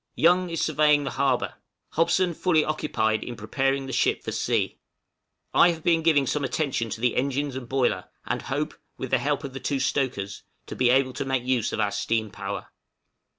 Young is surveying the harbor. Hobson fully occupied in preparing the ship for sea. I have been giving some attention to the engines and boiler, and hope, with the help of the two stokers, to be able to make use of our steam power.